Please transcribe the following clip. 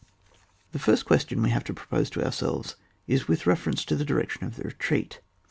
The first question which we have to propose to ourselves is with reference to the direction of the retreat.